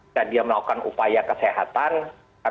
dan dia melakukan upaya kesehatan